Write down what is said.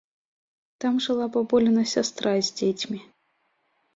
Там жыла бабуліна сястра з дзецьмі.